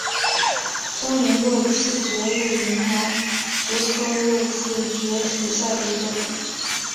棕鳞肉刺蕨为鳞毛蕨科肉刺蕨属下的一个种。